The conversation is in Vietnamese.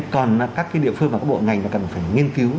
còn các địa phương và các bộ ngành là cần phải nghiên cứu